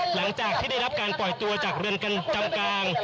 หลังจากที่ได้รับการปล่อยตัวจากเรือนจำกลาง